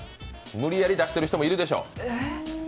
無理矢理出してる人もいるでしょう。